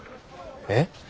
えっ？